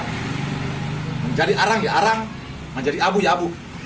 menjadi arang ya arang menjadi abu ya abu